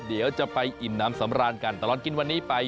เดี๋ยวจะไปอิ่มน้ำสำราญกันตลอดกินวันนี้ไป